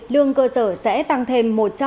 lương cơ sở sẽ tăng thêm